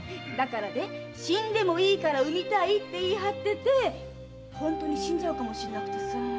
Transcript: だからね死んでもいいから産みたいって言い張っててホントに死んじゃうかもしれなくてさ。